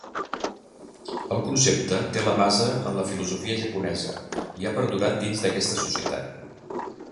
El concepte té la base en la filosofia japonesa i ha perdurat dins d'aquesta societat.